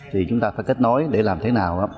thì chúng ta phải kết nối để làm thế nào đó